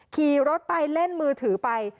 ขี่รถไปเล่นมือถือไป